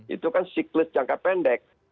itu kan siklus jangka pendek